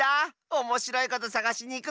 おもしろいことさがしにいくの。